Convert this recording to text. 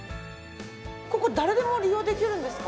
ここ誰でも利用できるんですか？